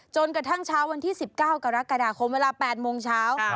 จนกระทั่งเช้าวันที่๑๙กรกฎาคมเวลา๘โมงเช้า